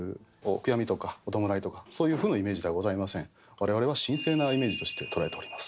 我々は神聖なイメージとして捉えております。